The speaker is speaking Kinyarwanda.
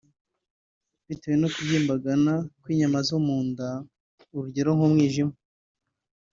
bitewe no kubyimbagana kw’inyama zo mu nda; urugero nk’umwijima